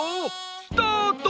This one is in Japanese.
スタート。